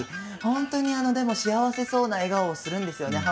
本当にでも幸せそうな笑顔をするんですよね